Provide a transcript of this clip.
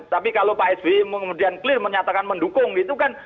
tapi kalau pak sby kemudian clear menyatakan mendukung gitu kan